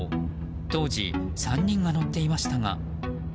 当時、３人が乗っていましたが。